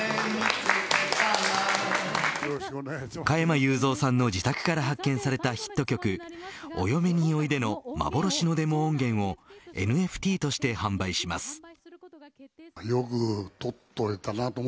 加山雄三さんの自宅から発見されたヒット曲お嫁においでの幻のデモ音源をＮＦＴとして販売します。